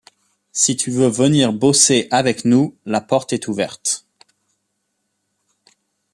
Si tu veux venir bosser avec nous, la porte est ouverte.